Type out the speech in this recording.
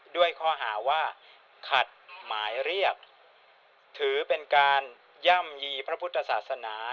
ด้วยข้อหาว่าขัดหมายเรียกถือเป็นการย่ำยีพระพุทธศาสนา